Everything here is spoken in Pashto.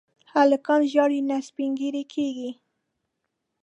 هلکان ژاړي نه، سپين ږيري کيږي.